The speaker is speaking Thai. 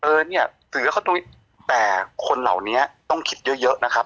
เออเนี่ยถือว่าแต่คนเหล่านี้ต้องคิดเยอะเยอะนะครับ